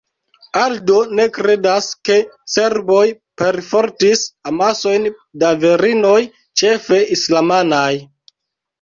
Aldo ne kredas, ke serboj perfortis amasojn da virinoj ĉefe islamanaj.